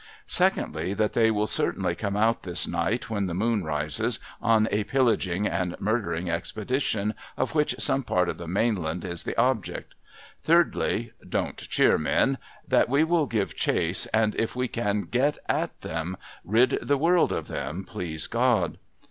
Secondly, that they will certainly come out this night when the moon rises, on a pillaging and murdering expedition, of which some part of the mainland is the object. Thirdly— don't cheer, men I — that we v.'ill give chase, and, if we can get at them, rid the world of them, please God